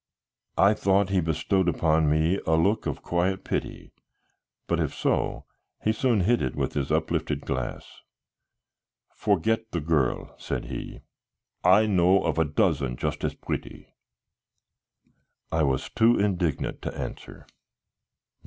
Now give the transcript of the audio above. I thought he bestowed upon me a look of quiet pity, but if so he soon hid it with his uplifted glass. "Forget the girl," said he; "I know of a dozen just as pretty." I was too indignant to answer.